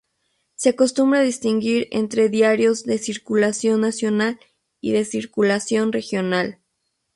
Se acostumbra a distinguir entre diarios de circulación nacional y de circulación regional.